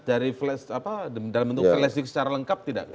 dari dalam bentuk flash secara lengkap tidak